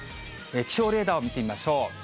気象レーダーを見てみましょう。